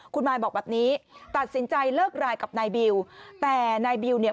คุณมายบอกแบบนี้ตัดสินใจเลิกรายกับนายบิวแต่นายบิวเนี่ย